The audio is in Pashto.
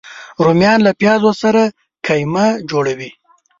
رومیان له پیازو سره قیمه جوړه وي